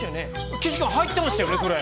岸君、入ってましたよね、それ。